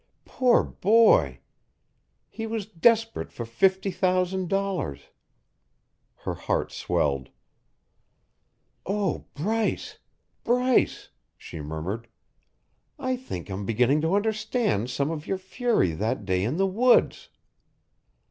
Poor boy! He was desperate for fifty thousand dollars!" Her heart swelled. "Oh, Bryce, Bryce," she murmured, "I think I'm beginning to understand some of your fury that day in the woods.